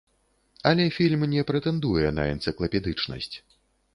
Але фільм не прэтэндуе на энцыклапедычнасць.